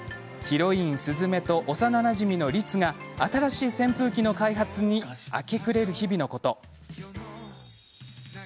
ヒロイン鈴愛と幼なじみの律が新しい扇風機の開発に明け暮れる日々でのこと。